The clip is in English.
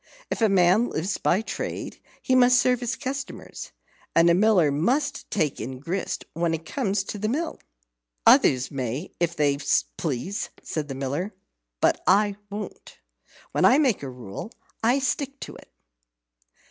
If a man lives by trade, he must serve his customers. And a Miller must take in grist when it comes to the mill." "Others may if they please," said the Miller; "but I won't. When I make a rule, I stick to it."